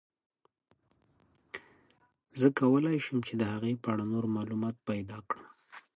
زه کولای شم چې د هغې په اړه نور معلومات پیدا کړم.